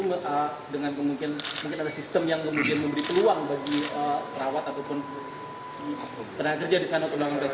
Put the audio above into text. mungkin ada sistem yang kemudian memberi peluang bagi perawat ataupun tenaga kerja di sana tenaga